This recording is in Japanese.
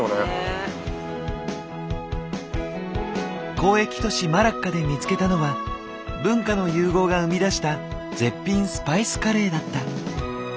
交易都市マラッカで見つけたのは文化の融合が生み出した絶品スパイスカレーだった。